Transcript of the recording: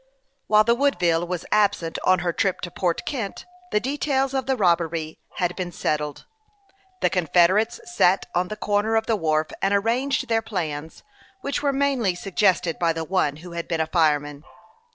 While the Woodville was absent on her trip to Port Kent, the details of the robbery had been set tled. The confederates sat on the corner of the wharf and arranged their plans, which were mainly suggested by the one who had been a fireman.